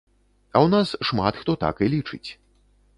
А ў нас шмат хто так і лічыць.